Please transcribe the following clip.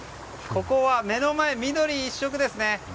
ここは目の前、緑一色ですね。